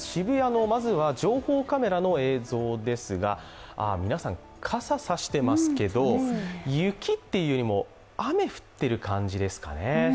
まずは情報カメラの映像ですが皆さん、傘差してますけど雪というよりも雨が降ってる感じですかね。